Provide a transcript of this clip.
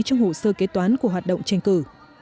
trong hồ sơ kế toán của hoạt động tranh cử